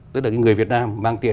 tức là người việt nam mang tiền